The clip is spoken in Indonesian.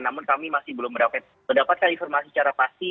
namun kami masih belum mendapatkan informasi secara pasti